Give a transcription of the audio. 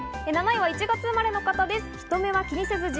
７位は１月生まれの方です。